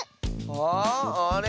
ああれ？